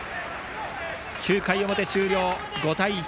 ９回表終了、５対１。